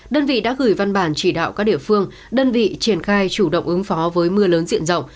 đơn vị đã gửi văn bản chỉ đạo các địa phương đơn vị triển khai chủ động ứng phó với mưa lớn diện rộng